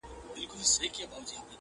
میاشتي کلونه زمانه به ستا وي!